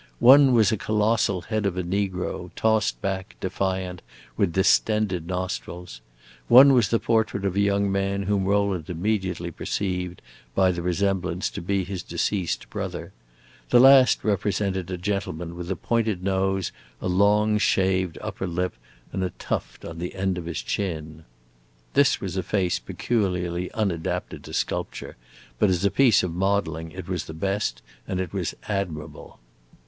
One was a colossal head of a negro, tossed back, defiant, with distended nostrils; one was the portrait of a young man whom Rowland immediately perceived, by the resemblance, to be his deceased brother; the last represented a gentleman with a pointed nose, a long, shaved upper lip, and a tuft on the end of his chin. This was a face peculiarly unadapted to sculpture; but as a piece of modeling it was the best, and it was admirable.